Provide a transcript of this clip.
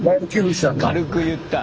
軽く言った。